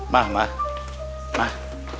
mah mah mah